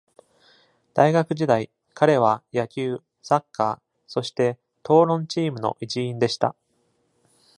大学時代、彼は野球、サッカー、そして討論チームの一員でした。